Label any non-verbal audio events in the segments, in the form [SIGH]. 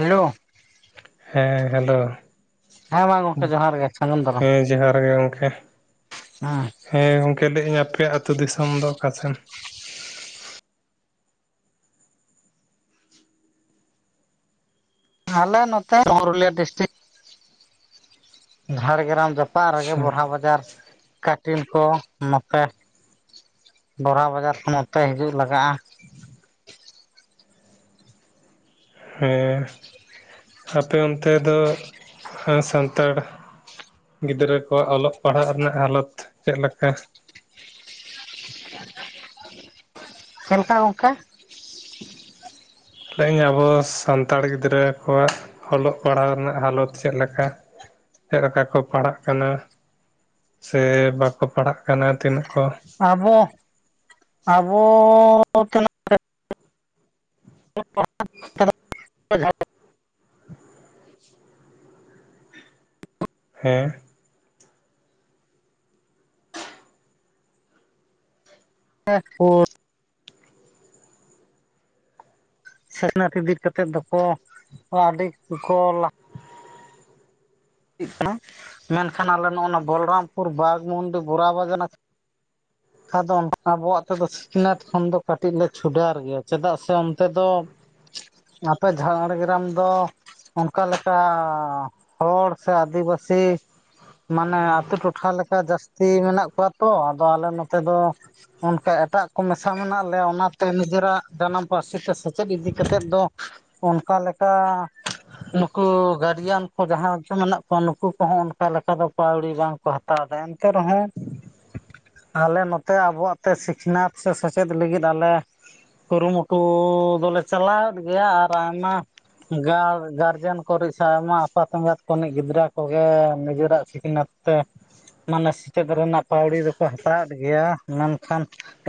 Hello ᱦᱮ hello ᱦᱮᱸ ᱢᱟ ᱜᱚᱢᱠᱮ ᱡᱚᱦᱟᱨ ᱜᱮ ᱥᱟᱹᱜᱩᱱ ᱫᱟᱨᱟᱢ ᱦᱮ ᱡᱚᱦᱟᱨ ᱜᱮ ᱜᱚᱢᱠᱮ ᱦᱮᱸ ᱦᱮᱸ ᱜᱚᱝᱠᱮ ᱞᱟᱹᱭ ᱤᱧ ᱟᱯᱮᱭᱟᱜ ᱟᱹᱛᱩ ᱫᱤᱥᱚᱢ ᱫᱚ ᱚᱠᱟᱥᱮᱱ? ᱟᱞᱮ ᱱᱚᱛᱮ [INAUDIBLE] ᱯᱩᱨᱩᱞᱤᱭᱟᱹ ᱰᱤᱥᱴᱤᱠ ᱡᱷᱟᱲᱜᱨᱟᱢ ᱡᱟᱯ ᱚᱯᱟᱜ ᱨᱮᱜᱮ ᱟᱪᱪᱷᱟ ᱵᱚᱨᱦᱟ ᱵᱟᱡᱟᱨ ᱴᱤᱞ ᱠᱚ ᱱᱚᱛᱮ ᱵᱚᱨᱦᱟ ᱵᱟᱡᱟᱨ ᱠᱷᱚᱱ ᱱᱚᱛᱮ ᱦᱤᱡᱩᱜ ᱞᱟᱜᱟᱜᱼᱟ [UNINTELLIGIBLE] ᱦᱮ ᱟᱯᱮ ᱚᱱᱛᱮ ᱫᱚ ᱥᱟᱱᱛᱟᱲ ᱜᱤᱫᱽᱨᱟᱹ ᱠᱚᱣᱟᱜ ᱚᱞᱚᱜ ᱯᱟᱲᱦᱟᱜ ᱨᱮᱱᱟᱜ ᱦᱟᱞᱚᱛ ᱪᱮᱫ ᱞᱮᱠᱟ? ᱪᱮᱫ ᱞᱮᱠᱟ ᱜᱚᱝᱠᱮ ᱛᱮᱦᱮᱧ ᱟᱵᱚ ᱥᱟᱱᱛᱟᱲ ᱜᱤᱫᱽᱨᱟᱹ ᱠᱚᱣᱟᱜ ᱚᱞᱚᱜ ᱯᱟᱲᱦᱟᱣ ᱨᱮᱱᱟᱜ ᱦᱟᱞᱚᱛ ᱪᱮᱫ ᱞᱮᱠᱟ? ᱪᱮᱫ ᱞᱮᱠᱟ ᱠᱚ ᱯᱟᱲᱟᱜ ᱠᱟᱱᱟ? ᱥᱮ ᱵᱟᱠᱚ ᱯᱟᱲᱦᱟᱜ ᱠᱟᱱᱟ ᱛᱤᱱᱟᱹᱜ ᱠᱚ ᱟᱵᱚ ᱟᱵᱚ [INAUDIBLE] [INAUDIBLE] ᱦᱮ [INAUDIBLE] [INAUDIBLE] ᱟᱰᱤ ᱠᱳ ᱞᱟ [INAUDIBLE] ᱢᱮᱱᱠᱷᱟᱱ ᱟᱞᱮ ᱱᱚᱜᱼ ᱱᱚᱣᱟ ᱵᱚᱞᱚᱨᱟᱢᱯᱩᱨ ᱵᱟᱜᱽᱢᱩᱱᱰᱤ ᱵᱳᱨᱟ [INAUDIBLE] [INAUDIBLE] ᱟᱵᱚᱣᱟᱜ ᱛᱮᱫᱚ ᱥᱤᱠᱷᱱᱟᱹᱛ ᱠᱷᱚᱱ ᱫᱚ ᱠᱟᱹᱴᱤᱡ ᱞᱮ ᱪᱷᱩᱰᱟᱨ ᱜᱮᱭᱟ ᱪᱮᱫᱟᱜ ᱥᱮ ᱚᱱᱛᱮ ᱫᱚ ᱟᱯᱮ ᱡᱷᱟᱲᱜᱨᱟᱢ ᱫᱚ ᱚᱱᱠᱟ ᱞᱮᱠᱟ ᱦᱚᱲ ᱥᱮ ᱟᱹᱫᱤᱵᱟᱹᱥᱤ ᱢᱟᱱᱮ ᱟᱛᱩ ᱴᱚᱴᱷᱟ ᱞᱮᱠᱟ ᱡᱟᱥᱛᱤ ᱢᱮᱱᱟᱜ ᱠᱚᱣᱟ ᱛᱚ ᱟᱫᱚ ᱟᱞᱮ ᱱᱚᱛᱮ ᱫᱚ ᱚᱱᱠᱟ ᱮᱴᱟᱜ ᱠᱚ ᱢᱮᱥᱟ ᱢᱮᱱᱟᱜ ᱞᱮᱭᱟ ᱚᱱᱟᱛᱮ ᱱᱤᱡᱮᱨᱟᱜ ᱡᱟᱱᱟᱢ ᱯᱟᱹᱨᱥᱤ ᱛᱮ ᱥᱮᱪᱮᱫ ᱤᱫᱤ ᱠᱟᱛᱮᱫ ᱫᱚ ᱚᱱᱠᱟ ᱞᱮᱠᱟ ᱱᱩᱠᱩ ᱜᱟᱰᱤᱭᱟᱱ ᱠᱚ ᱡᱟᱦᱟᱸᱭ ᱠᱚ ᱢᱮᱱᱟᱜ ᱠᱚᱣᱟ ᱱᱩᱠᱩ ᱠᱚᱦᱚ ᱚᱱᱠᱟ ᱞᱮᱠᱟ ᱫᱚ ᱯᱟᱹᱣᱲᱤ ᱵᱟᱝ ᱠᱚ ᱦᱟᱛᱟᱣ ᱫᱟ ᱮᱱᱛᱮ ᱨᱮᱦᱚ [INAUDIBLE] ᱟᱞᱮ ᱱᱚᱛᱮ ᱟᱵᱚᱣᱟᱜ ᱛᱮ ᱥᱤᱠᱷᱱᱟᱹᱛ ᱥᱮ ᱥᱮᱪᱮᱫ ᱞᱟᱹᱜᱤᱫ ᱟᱞᱮ ᱠᱩᱨᱩᱢᱩᱴᱩ ᱫᱚᱞᱮ ᱪᱟᱞᱟᱣᱮᱫ ᱜᱮᱭᱟ ᱟᱨ ᱟᱭᱢᱟ ᱜᱟᱨᱞ ᱜᱟᱨᱡᱮᱱ ᱠᱚᱨᱤ ᱥᱮ ᱟᱭᱢᱟ ᱟᱯᱟᱛ ᱮᱜᱟᱛ ᱠᱚᱱᱤᱡ ᱜᱤᱫᱽᱨᱟᱹ ᱠᱚᱜᱮ ᱱᱤᱡᱮᱨᱟᱜ ᱥᱤᱠᱷᱱᱟᱹᱛ ᱛᱮ ᱢᱟᱱᱮ ᱥᱮᱪᱮᱫ ᱨᱮᱱᱟᱜ ᱯᱟᱹᱣᱲᱤ ᱫᱚᱠᱚ ᱦᱟᱛᱟᱣᱮᱫ ᱜᱮᱭᱟ ᱢᱮᱱᱠᱷᱟᱱ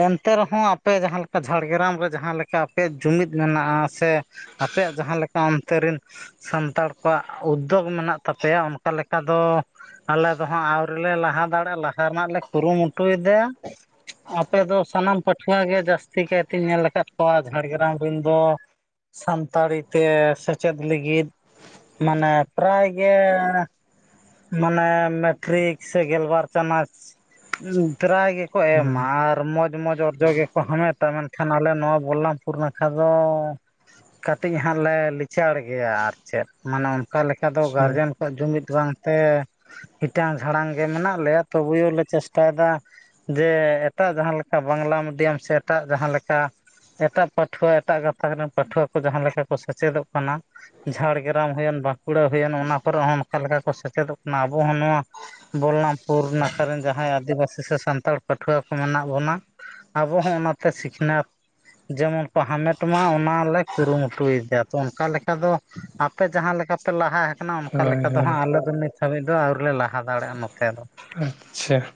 ᱮᱱᱛᱮ ᱨᱮᱦᱚᱸ ᱟᱯᱮ ᱡᱟᱦᱟ ᱞᱮᱠᱟ ᱡᱷᱟᱨᱜᱨᱟᱢ ᱨᱮ ᱡᱟᱦᱟ ᱞᱮᱠᱟ ᱟᱯᱮ ᱡᱩᱢᱤᱫ ᱢᱮᱱᱟᱜᱼᱟ ᱥᱮ ᱟᱯᱮᱭᱟᱜ ᱡᱟᱦᱟᱸ ᱞᱮᱠᱟ ᱚᱱᱛᱮ ᱨᱮᱱ ᱥᱟᱱᱛᱟᱲ ᱠᱚᱣᱟᱜ ᱩᱫᱽᱫᱳᱜ ᱢᱮᱱᱟᱜ ᱛᱟᱯᱮᱭᱟ ᱚᱱᱠᱟ ᱞᱮᱠᱟ ᱫᱚ ᱟᱞᱮ ᱫᱚ ᱦᱟᱸᱜ ᱟᱹᱣᱨᱤ ᱞᱮ ᱞᱟᱦᱟ ᱫᱟᱲᱮᱭᱟᱜᱼᱟ ᱞᱟᱦᱟ ᱨᱮᱱᱟᱜ ᱞᱮ ᱠᱩᱨᱩᱢᱩᱴᱩᱭ ᱫᱟ ᱟᱯᱮ ᱫᱚ ᱥᱟᱱᱟᱢ ᱯᱟᱹᱴᱷᱩᱣᱟᱹ ᱜᱮ ᱡᱟᱹᱥᱛᱤ ᱠᱟᱭᱛᱮ ᱧᱮᱞ ᱟᱠᱟᱫ ᱠᱚᱣᱟ ᱡᱷᱟᱲᱜᱨᱟᱢ ᱨᱮᱱ ᱫᱚ ᱥᱟᱱᱛᱟᱲᱤ ᱛᱮ ᱥᱮᱪᱮᱫ ᱞᱟᱹᱜᱤᱫ ᱢᱟᱱᱮ ᱯᱨᱟᱭ ᱜᱮ ᱢᱟᱱᱮ ᱢᱮᱴᱨᱤᱠ ᱥᱮ ᱜᱮᱞᱵᱟᱨ ᱪᱟᱱᱟᱪ ᱯᱨᱟᱭ ᱜᱮᱠᱚ ᱮᱢᱟ ᱟᱨ ᱢᱚᱡᱽ ᱢᱚᱡᱽ ᱚᱨᱡᱚ ᱜᱮᱠᱚ ᱦᱟᱢᱮᱴᱟ ᱢᱮᱱᱠᱷᱟᱱ ᱟᱞᱮ ᱱᱚᱣᱟ ᱵᱚᱞᱞᱟᱢᱯᱩᱨ ᱱᱟᱠᱷᱟ ᱫᱚ ᱠᱟᱹᱴᱤᱡ ᱦᱟᱸᱜ ᱞᱮ ᱞᱤᱪᱟᱹᱲ ᱜᱮᱭᱟ ᱟᱨ ᱪᱮᱫ ᱢᱟᱱᱮ ᱚᱠᱟ ᱞᱮᱠᱟ ᱫᱚ ᱜᱟᱨᱡᱮᱱ ᱠᱳ ᱡᱩᱢᱤᱫ ᱵᱟᱝᱛᱮ ᱤᱴᱟᱝ ᱡᱷᱟᱲᱟᱝ ᱜᱮ ᱢᱮᱱᱟᱜ ᱞᱮᱭᱟ ᱛᱚᱵᱩᱭᱳ ᱞᱮ ᱪᱮᱥᱴᱟᱭ ᱮᱫᱟ ᱡᱮ ᱮᱴᱟᱜ ᱡᱟᱦᱟ ᱞᱮᱠᱟ ᱵᱟᱝᱞᱟ ᱢᱤᱰᱤᱭᱟᱢ ᱥᱮ ᱮᱴᱟᱜ ᱡᱟᱦᱟ ᱞᱮᱠᱟ ᱮᱴᱟᱜ ᱯᱟᱹᱴᱷᱩᱣᱟᱹ ᱮᱴᱟᱜ ᱜᱟᱛᱟᱠ ᱨᱮᱱ ᱯᱟᱹᱴᱷᱩᱣᱟᱹ ᱠᱚ ᱡᱟᱦᱟᱸ ᱞᱮᱠᱟ ᱠᱚ ᱥᱮᱪᱮᱫᱚᱜ ᱠᱟᱱᱟ ᱡᱷᱟᱲᱜᱨᱟᱢ ᱦᱩᱭᱮᱱ ᱵᱟᱸᱠᱩᱲᱟ ᱦᱩᱭᱮᱱ ᱚᱱᱟ ᱠᱚᱨᱮ ᱦᱚᱸ ᱚᱱᱠᱟ ᱞᱮᱠᱟ ᱠᱚ ᱥᱮᱪᱮᱫᱚᱜ ᱠᱟᱱᱟ ᱟᱵᱚ ᱦᱚᱸ ᱱᱚᱣᱟ ᱵᱚᱞᱟᱢᱯᱩᱨ ᱱᱟᱠᱷᱟ ᱨᱮᱱ ᱡᱟᱦᱟᱸᱭ ᱟᱹᱫᱤᱵᱟᱹᱥᱤ ᱥᱮ ᱥᱟᱱᱛᱟᱲ ᱯᱟᱹᱴᱷᱩᱣᱟᱹ ᱠᱚ ᱢᱮᱱᱟᱜ ᱵᱚᱱᱟ ᱟᱵᱚ ᱦᱚᱸ ᱚᱱᱟᱛᱮ ᱥᱤᱠᱷᱱᱟᱹᱛ ᱡᱮᱢᱚᱱ ᱠᱚ ᱦᱟᱢᱮᱴ ᱢᱟ ᱚᱱᱟᱞᱮ ᱠᱩᱨᱩᱢᱩᱴᱩᱭᱮᱫᱟ ᱛᱚ ᱚᱱᱠᱟ ᱞᱮᱠᱟ ᱫᱚ ᱟᱯᱮ ᱡᱟᱦᱟᱸ ᱞᱮᱠᱟ ᱯᱮ ᱞᱟᱦᱟ ᱚᱱᱠᱟ ᱦᱳᱭ ᱞᱮᱠᱟ ᱫᱚ ᱦᱳᱭ ᱦᱟᱸᱜ ᱟᱞᱮ ᱫᱚ ᱱᱤᱛ ᱦᱟᱹᱵᱤᱡ ᱫᱚ ᱟᱹᱣᱨᱤ ᱞᱮ ᱞᱟᱦᱟ ᱫᱟᱲᱮᱭᱟᱜᱼᱟ ᱱᱚᱛᱮ ᱫᱚ ᱟᱪᱪᱷᱟ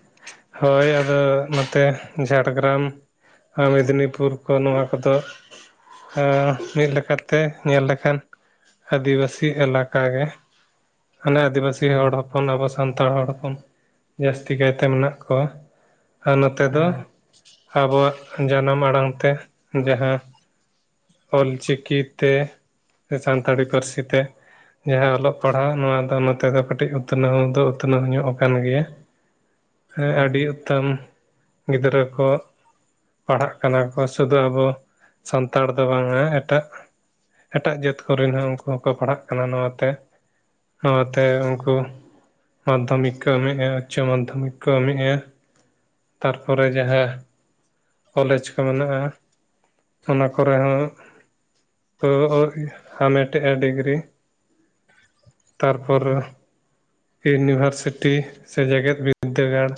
ᱦᱳᱭ ᱟᱫᱚ ᱱᱚᱛᱮ ᱡᱷᱟᱲᱜᱨᱟᱢ ᱟᱨ ᱢᱮᱫᱽᱱᱤᱯᱩᱨ ᱠᱚ ᱱᱚᱣᱟ ᱠᱚᱫᱚ ᱢᱤᱫ ᱞᱮᱠᱟᱛᱮ ᱧᱮᱞ ᱞᱮᱠᱷᱟᱱ ᱟᱹᱫᱤᱵᱟᱹᱥᱤ ᱮᱞᱟᱠᱟ ᱜᱮ ᱦᱟᱱᱮ ᱟᱹᱫᱤᱵᱟ ᱥᱤ ᱦᱚᱲ ᱦᱚᱯᱚᱱ ᱟᱵᱚ ᱥᱟᱱᱛᱟᱲ ᱦᱚᱲ ᱦᱚᱯᱚᱱ ᱡᱟᱹᱥᱛᱤ ᱠᱟᱭ ᱛᱮ ᱢᱮᱱᱟᱜ ᱠᱚᱣᱟ ᱟᱨ ᱱᱚᱛᱮ ᱫᱚ ᱦᱮᱸ ᱟᱵᱚᱣᱟᱜ ᱡᱟᱱᱟᱢ ᱟᱲᱟᱝ ᱛᱮ ᱡᱟᱦᱟᱸ ᱚᱞᱪᱤᱠᱤ ᱛᱮ ᱥᱟᱱᱛᱟᱲᱤ ᱯᱟᱹᱨᱥᱤ ᱛᱮ ᱡᱟᱦᱟᱸ ᱚᱞᱚᱜ ᱯᱟᱲᱦᱟᱜ ᱱᱚᱣᱟ ᱫᱚ ᱱᱚᱛᱮ ᱫᱚ ᱠᱟᱹᱴᱤᱡ ᱩᱛᱱᱟᱹᱣ ᱫᱚ ᱩᱛᱱᱟᱹᱣ ᱧᱚᱜ ᱟᱠᱟᱱ ᱜᱮᱭᱟ ᱦᱮᱸ ᱟᱹᱰᱤ ᱩᱛᱟᱹᱱ ᱜᱤᱫᱽᱨᱟᱹ ᱠᱚ ᱯᱟᱲᱦᱟᱜ ᱠᱟᱱᱟ ᱠᱚ ᱥᱩᱫᱩ ᱟᱵᱚ ᱥᱟᱱᱛᱟᱲ ᱫᱚ ᱵᱟᱝᱟ ᱮᱴᱟᱜ ᱮᱴᱟᱜ ᱡᱟᱹᱛ ᱠᱚᱨᱮᱱ ᱦᱚᱸ ᱩᱱᱠᱩ ᱦᱚᱸᱠᱚ ᱯᱟᱲᱦᱟᱜ ᱠᱟᱱᱟ ᱱᱚᱣᱟᱛᱮ ᱚᱱᱟᱛᱮ ᱩᱱᱠᱩ ᱢᱟᱫᱽᱫᱷᱚᱢᱤᱠ ᱠᱚ ᱮᱢᱮᱫᱼᱟ ᱩᱪᱪᱚ ᱢᱟᱫᱽᱫᱷᱚᱢᱤᱠ ᱠᱚ ᱮᱢᱮᱫᱼᱟ ᱛᱟᱨᱯᱚᱨᱮ ᱡᱟᱦᱟᱸ ᱠᱚᱞᱮᱡᱽ ᱠᱚ ᱢᱮᱱᱟᱜᱼᱟ ᱚᱱᱟ ᱠᱚᱨᱮ ᱦᱚᱸ ᱦᱟᱢᱮᱴᱮᱜᱼᱟ ᱰᱤᱜᱽᱨᱤ ᱛᱟᱨᱯᱚᱨ ᱤᱭᱩᱱᱤᱵᱷᱟᱨᱥᱤᱴᱤ ᱥᱮ ᱡᱮᱜᱮᱫ ᱵᱤᱫᱽᱫᱟᱹᱜᱟᱲ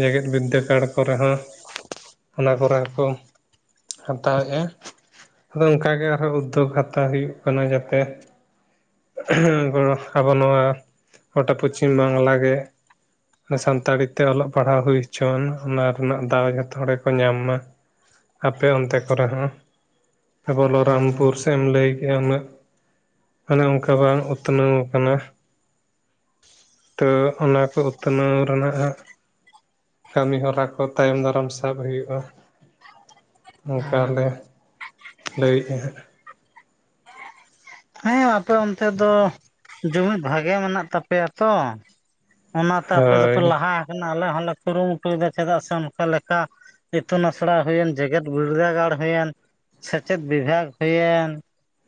ᱡᱮᱜᱮᱫ ᱵᱤᱫᱽᱫᱟᱹᱜᱟᱲ ᱠᱚᱨᱮ ᱦᱚᱸ ᱚᱱᱟ ᱠᱚᱨᱮ ᱦᱚᱸ ᱠᱚ ᱦᱟᱛᱟᱣᱮᱫᱼᱟ ᱟᱫᱚ ᱚᱱᱠᱟᱜ ᱜᱮ ᱟᱨᱦᱚᱸ ᱩᱫᱽᱫᱳᱜᱽ ᱦᱟᱛᱟᱣ ᱦᱩᱭᱩᱜ ᱠᱟᱱᱟ ᱜᱟᱛᱮ ᱟᱵᱚ ᱱᱚᱣᱟ ᱜᱚᱴᱟ ᱯᱚᱪᱷᱤᱢ ᱵᱟᱝᱞᱟ ᱜᱮ ᱥᱟᱱᱛᱟᱲᱤ ᱛᱮ ᱚᱞᱚᱜ ᱯᱟᱲᱦᱟᱣ ᱦᱩᱭ ᱦᱚᱪᱚᱣᱟᱱ ᱚᱱᱟ ᱨᱮᱱᱟᱜ ᱫᱟᱣ ᱡᱷᱚᱛᱚ ᱦᱚᱲ ᱜᱮᱠᱚ ᱧᱟᱢ ᱢᱟ ᱟᱯᱮ ᱚᱱᱛᱮ ᱠᱚᱨᱮ ᱦᱚᱸ ᱵᱚᱞᱚᱨᱟᱢᱯᱩᱨ ᱥᱮᱫ ᱮᱢ ᱞᱟᱹᱭ ᱠᱮᱜᱼᱟ ᱩᱱᱟᱹᱜ ᱚᱱᱮ ᱚᱱᱠᱟ ᱵᱟᱝ ᱩᱛᱱᱟᱹᱣ ᱟᱠᱟᱱᱟ ᱛᱚ ᱚᱱᱟ ᱠᱚ ᱩᱛᱱᱟᱹᱣ ᱨᱮᱱᱟᱜ ᱠᱟᱹᱢᱤ ᱦᱚᱨᱟ ᱠᱚ ᱛᱟᱭᱚᱢ ᱫᱟᱨᱟᱢ ᱥᱟᱵ ᱦᱩᱭᱩᱜᱼᱟ ᱦᱮᱸ ᱚᱱᱠᱟᱞᱮ ᱞᱟᱹᱭᱮᱫᱼᱟ ᱦᱟᱸᱜ ᱦᱮᱸ ᱟᱯᱮ ᱚᱱᱛᱮ ᱫᱚ ᱡᱩᱢᱤᱫ ᱵᱷᱟᱜᱮ ᱢᱮᱱᱟᱜ ᱛᱟᱯᱮᱭᱟ ᱛᱚ ᱚᱱᱟᱛᱮ ᱟᱯᱮ ᱫᱚᱯᱮ ᱦᱳᱭ ᱞᱟᱦᱟ ᱟᱠᱟᱱᱟ ᱟᱞᱮ ᱦᱚᱸᱞᱮ ᱠᱩᱨᱩᱢᱩᱴᱩᱭᱮᱫᱟ ᱪᱮᱫᱟᱜ ᱥᱮ ᱚᱱᱠᱟ ᱞᱮᱠᱟ ᱤᱛᱩᱱ ᱟᱥᱲᱟ ᱦᱩᱭᱮᱱ ᱡᱮᱜᱮᱫ ᱵᱤᱨᱫᱟᱹᱜᱟᱲ ᱦᱩᱭᱮᱱ ᱥᱮᱪᱮᱫ ᱵᱤᱵᱷᱟᱜᱽ ᱦᱩᱭᱮᱱ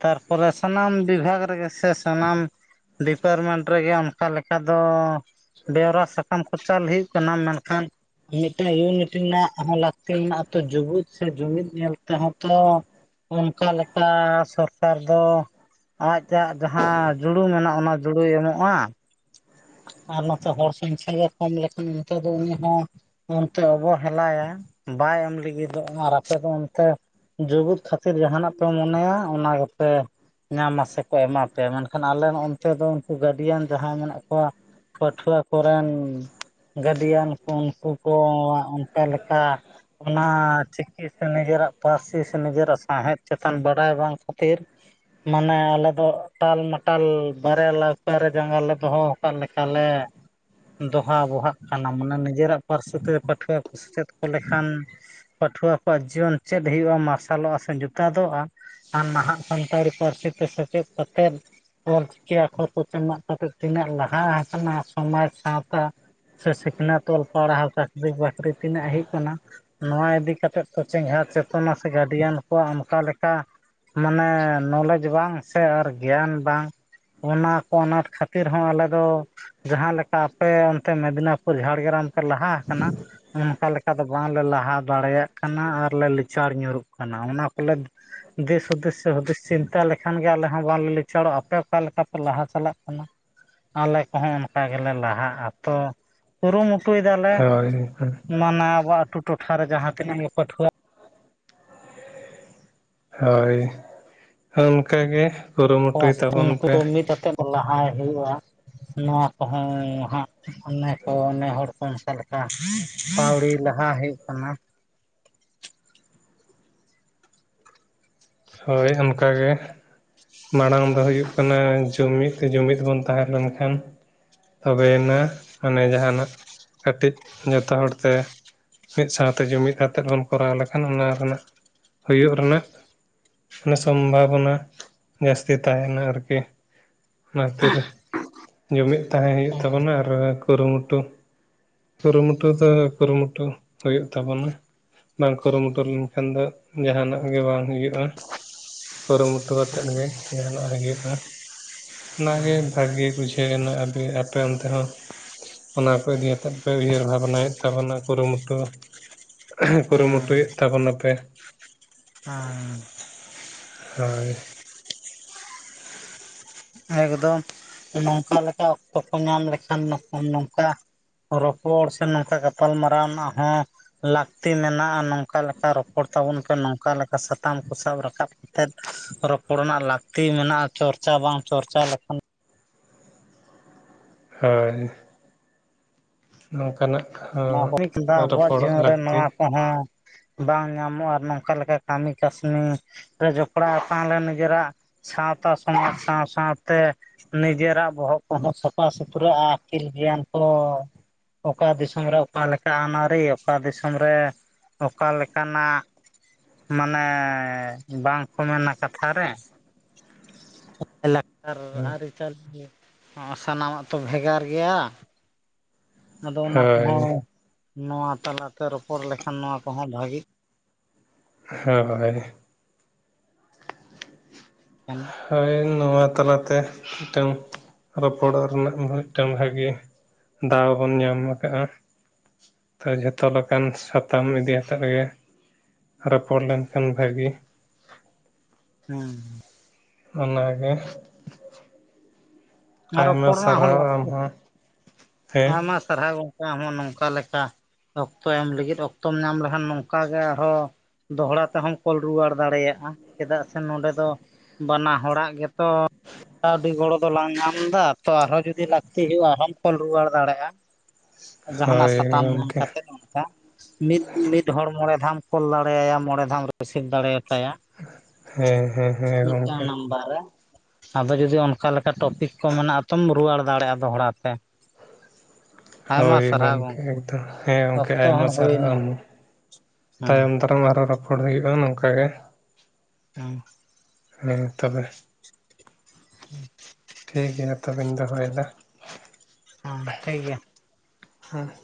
ᱛᱟᱨᱯᱚᱨᱮ ᱥᱟᱱᱟᱢ ᱵᱤᱵᱷᱟᱜᱽ ᱨᱮᱜᱮ ᱥᱮ ᱥᱟᱱᱟᱢ ᱰᱤᱯᱟᱨᱢᱮᱱᱴ ᱨᱮᱜᱮ ᱚᱱᱠᱟ ᱞᱮᱠᱟ ᱫᱚ ᱵᱮᱣᱨᱟ ᱥᱟᱠᱟᱢ ᱠᱚ ᱪᱟᱞ ᱦᱩᱭᱩᱜ ᱠᱟᱱᱟ ᱢᱮᱱᱠᱷᱟᱱ ᱢᱤᱫᱴᱟᱝ ᱤᱭᱩᱱᱤᱴ ᱨᱮᱱᱟᱜ ᱦᱚᱸ ᱞᱟᱹᱠᱛᱤ ᱢᱮᱱᱟᱜᱼᱟ ᱟ ᱛᱚ ᱡᱩᱢᱤᱫ ᱥᱮ ᱡᱩᱢᱤᱫ ᱧᱮᱞ ᱛᱮᱦᱚᱸ ᱛᱚ ᱚᱱᱠᱟ ᱞᱮᱠᱟ ᱥᱚᱨᱠᱟᱨ ᱫᱚ ᱟᱡ ᱟᱡᱴᱟᱜ ᱡᱟᱦᱟᱸ ᱡᱩᱲᱩ ᱢᱮᱱᱟᱜᱼᱟ ᱚᱱᱟ ᱡᱩᱲᱩᱭ ᱮᱢᱚᱜᱼᱟ ᱟᱨ ᱱᱚᱛᱮ ᱦᱚᱲ ᱥᱚᱝᱠᱷᱟ ᱠᱚᱢ ᱞᱮᱠᱷᱟᱱ ᱱᱤᱛᱚᱜ ᱫᱚ ᱩᱱᱤ ᱦᱚᱸ ᱚᱱᱛᱮ ᱚᱵᱚ ᱦᱮᱞᱟᱭᱟ ᱵᱟᱭ ᱮᱢ ᱞᱟᱹᱜᱤᱫᱚᱜ ᱟᱨ ᱟᱯᱮᱫᱚ ᱚᱱᱛᱮ ᱡᱩᱜᱩᱫ ᱠᱷᱟᱹᱛᱤᱨ ᱡᱟᱦᱟᱱᱟᱜ ᱯᱮ ᱢᱚᱱᱮᱭᱟ ᱚᱱᱟ ᱜᱮᱯᱮ ᱧᱟᱢᱟ ᱥᱮᱮ ᱠᱚ ᱮᱢᱟ ᱯᱮᱭᱟ ᱢᱮᱱᱠᱷᱟᱱ ᱟᱞᱮ ᱚᱱᱛᱮ ᱫᱚ ᱩᱱᱠᱩ ᱜᱟᱹᱰᱤᱭᱟᱱ ᱡᱟᱦᱟᱸᱭ ᱢᱮᱱᱟᱜ ᱠᱚᱣᱟ ᱯᱟᱹᱴᱷᱩᱣᱟᱹ ᱠᱚᱨᱮᱱ ᱜᱟᱰᱤᱭᱟᱱ ᱠᱚ ᱩᱱᱠᱩ ᱠᱚ ᱚᱱᱠᱟ ᱞᱮᱠᱟ ᱚᱱᱟ ᱪᱮᱫ ᱪ ᱥᱮ ᱱᱤᱡᱮᱨᱟᱜ ᱯᱟᱹᱨᱥᱤ ᱥᱮ ᱱᱤᱡᱮᱨᱟᱜ ᱥᱟᱶᱦᱮᱫ ᱪᱮᱛᱟᱱ ᱵᱟᱰᱟᱭ ᱵᱟᱝ ᱠᱷᱟᱹᱛᱤᱨ ᱢᱟᱱᱮ ᱟᱞᱮ ᱫᱚ ᱛᱟᱞ ᱢᱟᱴᱟᱞ ᱵᱟᱨᱭᱟᱞᱟᱛᱟᱨᱮ ᱡᱟᱸᱜᱟ ᱞᱮ ᱫᱚᱦᱚ ᱠᱟ ᱞᱮᱠᱟ ᱞᱮ ᱫᱚᱦᱟ‌ ᱵᱚᱦᱟᱜ ᱠᱟᱱᱟ ᱢᱟᱱᱮ ᱱᱤᱡᱮᱨᱟᱜ ᱯᱟᱹᱨᱥᱤ ᱛᱮ ᱯᱟᱹᱴᱷᱩᱣᱟᱹ ᱠᱚ ᱥᱮᱪᱮᱫ ᱠᱚ ᱞᱮᱠᱷᱟᱱ ᱯᱟᱹᱴᱷᱩᱣᱟᱹ ᱠᱚᱣᱟᱜ ᱡᱤᱭᱚᱱ ᱪᱮᱫ ᱦᱳᱭᱳᱜᱼᱟ ᱢᱟᱨᱥᱟᱞᱚᱜᱼᱟ ᱥᱮ ᱧᱩᱛᱟᱫᱚᱜᱼᱟ ᱟᱨ ᱱᱟᱦᱟᱜ ᱥᱟᱱᱛᱟᱲᱤ ᱯᱟᱹᱨᱥᱤ ᱛᱮ ᱥᱮᱪᱮᱫ ᱠᱟᱛᱮᱫ ᱚᱞᱪᱤᱠᱤ ᱟᱠᱷᱚᱨ ᱠᱚ ᱪᱮᱫ ᱠᱟᱛᱮᱫ ᱛᱤᱱᱟᱹᱜ ᱞᱟᱦᱟ ᱟᱠᱟᱱᱟ ᱥᱚᱢᱟᱡ ᱥᱟᱶᱛᱟ ᱥᱮ ᱥᱤᱠᱷᱱᱟᱹᱛ ᱚᱞ ᱯᱟᱲᱦᱟᱣ ᱪᱟᱹᱠᱨᱤ ᱵᱟᱹᱠᱨᱤ ᱛᱤᱱᱟᱹᱜ ᱦᱮᱡ ᱮᱱᱟ ᱱᱚᱣᱟ ᱤᱫᱤ ᱠᱟᱛᱮᱜ ᱪᱮᱸᱜᱷᱟᱣ ᱪᱮᱛᱚᱱᱟ ᱥᱮ ᱜᱟᱨᱡᱮᱱ ᱠᱚᱣᱟᱜ ᱚᱱᱠᱟ ᱞᱮᱠᱟ ᱢᱟᱱᱮ ᱱᱚᱞᱮᱡ ᱵᱟᱝ ᱥᱮ ᱟᱨ ᱜᱮᱭᱟᱱ ᱵᱟᱝ ᱚᱱᱟ ᱠᱚ ᱟᱱᱟᱴ ᱠᱷᱟᱹᱛᱤᱨ ᱦᱚᱸ ᱟᱞᱮ ᱫᱚ ᱡᱟᱦᱟᱸ ᱞᱮᱠᱟ ᱟᱯᱮ ᱚᱱᱛᱮ ᱢᱮᱫᱽᱱᱟᱯᱩᱨ ᱡᱷᱟᱲᱜᱨᱟᱢ ᱯᱮ ᱞᱟᱦᱟ ᱟᱠᱟᱱᱟ ᱚᱱᱠᱟ ᱞᱮᱠᱟ ᱫᱚ ᱵᱟᱝᱞᱮ ᱞᱟᱦᱟ ᱫᱟᱲᱮᱭᱟᱜ ᱠᱟᱱᱟ ᱟᱨᱞᱮ ᱞᱤᱪᱟᱲ ᱧᱩᱨᱩᱜ ᱠᱟᱱᱟ ᱚᱱᱟ ᱠᱚᱞᱮ ᱫᱤᱥ ᱦᱩᱫᱤᱥ ᱥᱮ ᱦᱩᱫᱤᱥ ᱪᱤᱱᱛᱟ ᱞᱮᱠᱷᱟᱱ ᱜᱮ ᱟᱞᱮ ᱦᱚᱸ ᱵᱟᱝᱞᱮ ᱞᱤᱪᱟᱲᱚᱜᱼᱟ ᱟᱯᱮ ᱚᱠᱟ ᱞᱮᱠᱟ ᱯᱮ ᱞᱟᱦᱟ ᱪᱟᱞᱟᱜ ᱠᱟᱱᱟ ᱟᱞᱮ ᱠᱚᱦᱚᱸ ᱚᱱᱠᱟ ᱜᱮᱞᱮ ᱞᱟᱦᱟᱜᱼᱟ ᱛᱚ ᱠᱩᱨᱩᱢᱩᱴᱩᱭ ᱫᱟᱞᱮ ᱦᱳᱭ ᱢᱟᱱᱮ ᱟᱵᱚ ᱟᱹᱛᱩ ᱴᱚᱴᱷᱟ ᱨᱮ ᱡᱟᱦᱟᱸ ᱛᱤᱱᱟᱹᱜ ᱜᱮ ᱯᱟᱹᱴᱷᱩᱣᱟᱹ ᱦᱳᱭ ᱚᱱᱠᱟ ᱜᱮ ᱠᱩᱨᱩᱢᱩᱴᱩᱭ ᱛᱟᱵᱚᱱ ᱯᱮ ᱩᱱᱠᱩ ᱢᱤᱫ ᱟᱛᱮᱫ ᱞᱟᱦᱟᱭ ᱦᱩᱭᱩᱜᱼᱟ ᱱᱚᱣᱟ ᱠᱚᱦᱚᱸ ᱦᱟᱸᱜ ᱚᱱᱮ ᱠᱚ ᱚᱱᱮ ᱦᱚᱲ ᱠᱚ ᱢᱮᱥᱟ ᱞᱮᱠᱟ ᱯᱟᱹᱣᱲᱤ ᱞᱟᱦᱟ ᱦᱩᱭᱩᱜ ᱠᱟᱱᱟ ᱦᱳᱭ ᱚᱱᱠᱟ ᱜᱮ ᱢᱟᱲᱟᱝ ᱫᱚ ᱦᱩᱭᱩᱜ ᱠᱟᱱᱟ ᱡᱩᱢᱤᱫ ᱡᱩᱢᱤᱫ ᱵᱚᱱ ᱛᱟᱦᱮᱸ ᱞᱮᱱ ᱠᱷᱟᱱ ᱛᱚᱵᱮᱭᱮᱱᱟ ᱢᱟᱱᱮ ᱡᱟᱦᱟᱸᱱᱟᱜ ᱠᱟᱹᱴᱤᱡ ᱡᱚᱛᱚ ᱦᱚᱲ ᱛᱮ ᱢᱤᱫ ᱥᱟᱶᱛᱮ ᱡᱩᱢᱤᱫ ᱟᱛᱮᱫ ᱵᱚᱱ ᱠᱚᱨᱟᱣ ᱞᱮᱠᱷᱟᱱ ᱚᱱᱟ ᱨᱮᱱᱟᱜ ᱦᱩᱭᱩᱜ ᱨᱮᱱᱟᱜ ᱢᱟᱱᱮ ᱥᱚᱢᱵᱷᱟᱵᱚᱱᱟ ᱡᱟᱹᱥᱛᱤ ᱛᱟᱦᱮᱸᱱᱟ ᱟᱨᱠᱤ ᱚᱱᱟ ᱠᱷᱟᱹᱛᱤᱨ ᱡᱩᱢᱤᱫ ᱛᱟᱦᱮᱸ ᱦᱩᱭᱩᱜ ᱦᱮᱸ ᱛᱟᱵᱚᱱᱟ ᱟᱨ ᱠᱩᱨᱩᱢᱩᱴᱩ ᱠᱩᱨᱩᱢᱩᱴᱩ ᱫᱚ ᱠᱩᱨᱩᱢᱩᱴᱩ ᱦᱩᱭᱩᱜ ᱛᱟᱵᱚᱱᱟ ᱵᱟᱝ ᱠᱩᱨᱩᱢᱩᱴᱩ ᱞᱮᱱᱠᱷᱟᱱ ᱫᱚ ᱡᱟᱦᱟᱸᱱᱟᱜ ᱜᱮ ᱵᱟᱝ ᱦᱩᱭᱩᱜᱼᱟ ᱠᱩᱨᱩᱢᱩᱴᱩ ᱠᱟᱛᱮᱫ ᱜᱮ ᱡᱟᱦᱟᱸᱱᱟᱜ ᱦᱩᱭᱩᱜᱼᱟ ᱚᱱᱟᱜᱮ ᱵᱷᱟᱜᱮ ᱵᱩᱡᱷᱟᱹᱜ ᱮᱱᱟ ᱟᱯᱮ ᱚᱱᱛᱮ ᱦᱚᱸ ᱚᱱᱟ ᱠᱚ ᱤᱫᱤ ᱟᱛᱮᱫ ᱯᱮ ᱩᱭᱦᱟᱹᱨ ᱵᱷᱟᱵᱚᱱᱟ ᱭᱮᱫ ᱛᱟᱵᱚᱱᱟ ᱠᱩᱨᱩᱢᱩᱴᱩ᱾ ᱦᱮᱸ ᱠᱩᱨᱩᱢᱩᱴᱩᱭᱮᱫ ᱛᱟᱵᱚᱱᱟ ᱯᱮ ᱟ ᱦᱳᱭ ᱮᱠᱫᱚᱢ ᱱᱚᱝᱠᱟ ᱞᱮᱠᱟ ᱚᱠᱛᱚ ᱠᱚ ᱧᱟᱢ ᱞᱮᱠᱷᱟᱱ ᱱᱚᱝᱠᱟ ᱨᱚᱯᱚᱲ ᱥᱮ ᱱᱚᱝᱠᱟ ᱜᱟᱯᱟᱞ ᱢᱟᱨᱟᱣ ᱦᱚᱸ ᱞᱟᱹᱠᱛᱤ ᱢᱮᱱᱟᱜᱼᱟ ᱱᱚᱝᱠᱟ ᱞᱮᱠᱟ ᱨᱚᱯᱚᱲ ᱛᱟᱵᱚᱱ ᱯᱮ ᱱᱚᱝᱠᱟ ᱞᱮᱠᱟ ᱥᱟᱛᱟᱢ ᱠᱚ ᱥᱟᱵ ᱨᱟᱠᱟᱵ ᱛᱮᱫ ᱨᱚᱯᱚᱲ ᱨᱮᱱᱟᱜ ᱞᱟᱹᱠᱛᱤ ᱢᱮᱱᱟᱜᱼᱟ ᱪᱚᱨᱪᱟ ᱵᱟᱝ ᱪᱚᱨᱪᱟ ᱞᱮᱠᱷᱟᱱ ᱦᱳᱭ ᱱᱚᱝᱠᱟ ᱱᱟᱜ ᱱᱚᱣᱟ ᱦᱩᱭ ᱠᱮᱫᱟ ᱟᱵᱚᱣᱟᱜ ᱡᱤᱭᱚᱱ ᱨᱮ ᱱᱚᱣᱟ ᱠᱚᱦᱚᱸ ᱵᱟᱝ ᱧᱟᱢᱚᱜᱼᱟ ᱱᱚᱝᱠᱟ ᱞᱮᱠᱟ ᱠᱟᱹᱢᱤ ᱠᱟᱹᱥᱱᱤ ᱨᱮ, ᱡᱚᱯᱲᱟᱣ ᱛᱟᱦᱮᱞᱮᱱ ᱜᱮ ᱱᱤᱡᱮᱨᱟᱜ ᱥᱟᱶᱛᱟ ᱥᱚᱢᱟᱡᱽ ᱥᱟᱶ ᱥᱟᱶᱛᱮ ᱱᱤᱡᱮᱨᱟᱜ ᱵᱚᱦᱚᱜ ᱠᱚᱦᱚᱸ, ᱥᱟᱯᱷᱟ ᱥᱩᱛᱨᱟᱹᱜᱼᱟ, ᱟᱹᱠᱤᱞ ᱜᱮᱭᱟᱱ ᱠᱚ ᱚᱠᱟ ᱫᱤᱥᱚᱢ ᱫᱤᱥᱚᱢ ᱨᱮ ᱚᱠᱟᱮᱠᱟ ᱟᱹᱱᱼᱟᱹᱨᱤ ᱚᱠᱟ ᱫᱤᱥᱚᱢ ᱨᱮ ᱚᱠᱟ ᱞᱮᱠᱟᱱᱟᱜ ᱢᱟᱱᱮ ᱵᱟᱝ ᱠᱚ ᱢᱮᱱᱟ ᱠᱟᱛᱷᱟ ᱨᱮ ᱞᱟᱭᱼᱞᱟᱠᱪᱟᱨ ᱟᱹᱨᱤᱼᱪᱟᱹᱞᱤ, ᱦᱚᱸ ᱥᱟᱱᱟᱢᱟᱜ ᱛᱚ ᱵᱷᱮᱜᱟᱨ ᱜᱮᱭᱟ᱾ ᱟᱫᱚ ᱚᱱᱟ ᱦᱳᱭ ᱠᱚᱦᱚᱸ ᱱᱚᱣᱟ ᱛᱟᱞᱟᱛᱮ ᱨᱚᱯᱚᱲ ᱞᱮᱠᱷᱟᱱ ᱱᱚᱣᱟ ᱠᱚᱦᱚᱸ ᱵᱷᱟᱹᱜᱤ-ᱟ᱾ ᱦᱳᱭ-᱾ ᱠᱟᱱᱟ ᱦᱳᱭ ᱱᱚᱣᱟ ᱛᱟᱞᱟᱛᱮ ᱢᱤᱫᱴᱟᱝ ᱨᱚᱯᱚᱲᱚᱜ ᱨᱮᱱᱟᱜ ᱢᱤᱫᱴᱟᱝ ᱵᱷᱟᱜᱮ ᱫᱟᱣ ᱵᱚᱱ ᱧᱟᱢ ᱠᱟᱜᱼᱟ᱾ ᱡᱷᱚᱛᱚ ᱞᱮᱠᱟᱱ ᱥᱟᱛᱟᱢ ᱤᱫᱤᱭᱛᱮᱫ ᱜᱮ᱾ ᱨᱚᱯᱚᱲ ᱞᱮᱱᱠᱷᱟᱱ ᱵᱷᱟᱹᱜᱮ᱾ ᱦᱩᱸᱻ᱾ ᱚᱱᱟᱜᱮ᱾ ᱟᱨ ᱟᱭᱢᱟ ᱨᱚᱯᱚᱲ ᱨᱮᱱᱟᱜ ᱦᱚᱸ ᱥᱟᱨᱦᱟᱣ ᱟᱢ ᱞᱟᱹᱠᱛᱤ ᱦᱚᱸ᱾ ᱦᱮᱸ ᱟᱭᱢᱟ ᱥᱟᱨᱦᱟᱣ ᱜᱚᱝᱠᱮ ᱟᱢ ᱦᱚᱸ ᱱᱚᱝᱠᱟ ᱞᱮᱠᱟ᱾ ᱚᱠᱛᱚ ᱮᱢ ᱞᱟᱹᱜᱤᱫ ᱚᱠᱛᱚᱢ ᱧᱟᱢ ᱞᱮᱠᱷᱟᱱ ᱱᱚᱝᱠᱟ ᱜᱮ ᱟᱨᱦᱚᱸ ᱫᱚᱦᱚᱲᱟ ᱛᱮᱦᱚᱸᱚᱢ ᱠᱚᱞ ᱨᱩᱣᱟᱹᱲ ᱫᱟᱲᱮᱭᱟᱜᱼᱟ᱾ ᱪᱮᱫᱟᱜ ᱥᱮ ᱱᱚᱸᱰᱮ ᱫᱚ ᱵᱟᱱᱟ ᱦᱚᱲᱟᱜ ᱜᱮᱛᱚ ᱠᱟᱹᱣᱰᱤ ᱜᱚᱲᱚ ᱫᱚ ᱞᱟᱝ ᱧᱟᱢᱟ᱾ ᱫᱟ ᱛᱚ ᱟᱨᱦᱚᱸ ᱡᱩᱫᱤ ᱞᱟᱹᱠᱛᱤ ᱦᱩᱭᱩᱜᱼᱟ ᱟᱨᱦᱚᱢ ᱠᱚᱞ ᱨᱩᱣᱟᱹᱲ ᱫᱟᱲᱮᱭᱟᱜᱼᱟ᱾ ᱡᱟᱦᱱᱟᱜ ᱦᱳᱭ ᱥᱟᱛᱟᱢ ᱧᱟᱢ ᱜᱚᱢᱠᱮ ᱠᱟᱛᱮᱫ ᱚᱱᱠᱟ᱾ ᱢᱤᱫ ᱢᱤᱫ ᱦᱚᱲ ᱢᱚᱬᱮ ᱫᱷᱟᱣᱟᱢ ᱠᱚᱞ ᱫᱟᱲᱮ ᱭᱟᱭᱟ ᱢᱚᱬᱮ ᱫᱷᱟᱣᱮᱢ ᱨᱤᱥᱤᱵᱷ ᱫᱟᱲᱮ ᱟᱛᱟᱭᱟ᱾ ᱦᱮᱸ ᱦᱮᱸ ᱦᱮᱸ ᱢᱤᱫᱴᱟᱝ ᱜᱚᱢᱠᱮ ᱱᱟᱢᱵᱟᱨ ᱨᱮ ᱟᱫᱚ ᱡᱩᱫᱤ ᱚᱱᱠᱟᱞᱮᱠᱟ ᱴᱚᱯ ᱚᱱᱟ ᱟᱛᱚᱢ ᱨᱩᱣᱟᱹᱲ ᱫᱟᱲᱮᱭᱟᱜᱼᱟ ᱫᱚᱦᱲᱟ ᱛᱮ᱾ ᱟᱭᱢᱟ ᱦᱳᱭ ᱥᱟᱨᱦᱟᱣ ᱜᱚᱢᱠᱮ ᱮᱠᱫᱚᱢ᱾ ᱦᱮᱸ ᱜᱚᱢᱠᱮ ᱚᱠᱛᱚ ᱟᱭᱢᱟ ᱦᱚᱸ ᱦᱩᱭᱱᱟ ᱥᱟᱨᱦᱟᱣ ᱦᱮᱸ ᱛᱟᱭᱚᱢ ᱫᱟᱨᱟᱢ ᱟᱨᱦᱚᱸ ᱨᱚᱯᱚᱲ ᱦᱳᱭᱳᱜᱼᱟ ᱱᱚᱝᱠᱟ ᱜᱮ᱾ ᱦᱮᱸ [UNINTELLIGIBLE] ᱦᱮ ᱛᱚᱵᱮ᱾ ᱦᱩᱸ [UNINTELLIGIBLE] ᱴᱷᱤᱠ ᱜᱮᱭᱟ ᱛᱚᱵᱮᱧ ᱫᱚᱦᱚᱭ ᱫᱟ᱾ ᱦᱮᱸ ᱴᱷᱤᱠ ᱜᱮᱭᱟ᱾ ᱦᱮᱸ